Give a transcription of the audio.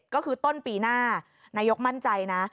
ก็คือต้นปีหน้านายกมั่นใจนะ